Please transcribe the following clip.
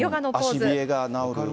足冷えが治る。